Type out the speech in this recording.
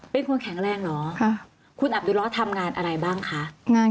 เป็นคนแข็งแรงเหรอคุณอับดุล้อทำงานอะไรบ้างคะ